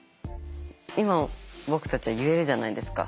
今僕たちは言えるじゃないですか。